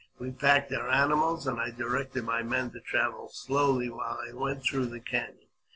We packed our animals, and I directed my men to travel slowly while I went through the canon.